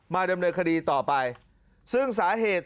ดำเนินคดีต่อไปซึ่งสาเหตุ